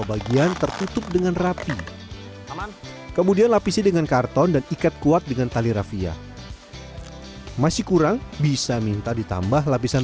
satu supaya minumannya sekilas